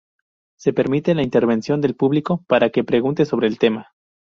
Se permite la intervención del público para que pregunte sobre el tema.